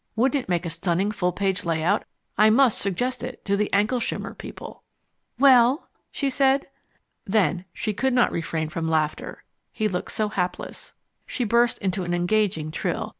"Wouldn't it make a stunning full page layout. I must suggest it to the Ankleshimmer people." "Well?" she said. Then she could not refrain from laughter, he looked so hapless. She burst into an engaging trill.